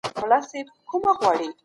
که غواړئ وزن مو کم شي، نو صحي خواړه خورئ.